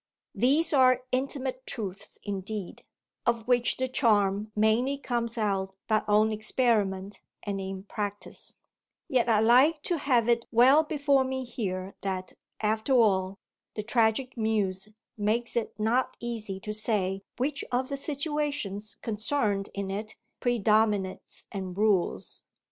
These are intimate truths indeed, of which the charm mainly comes out but on experiment and in practice; yet I like to have it well before me here that, after all, The Tragic Muse makes it not easy to say which of the situations concerned in it predominates and rules.